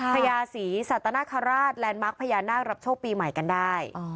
พญาศรีสัตนคราชแลนดมาร์คพญานาครับโชคปีใหม่กันได้